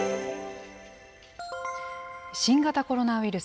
新型コロナウイルス。